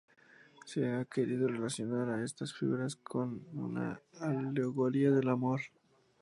Se ha querido relacionar a estas figuras con una alegoría del amor.